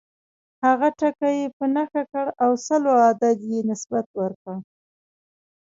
هغه ټکی یې په نښه کړ او سلو عدد یې نسبت ورکړ.